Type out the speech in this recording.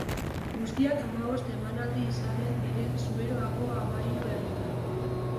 Guztira hamabost emanaldi izanen dira Zuberoako hamahiru herritan.